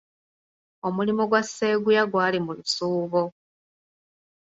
Omulimu gwa Sseguya gwali mu lusuubo.